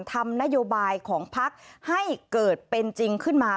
ทำนโยบายของพักให้เกิดเป็นจริงขึ้นมา